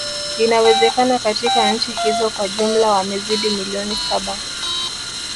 Inawezekana katika nchi hizo kwa jumla wamezidi milioni saba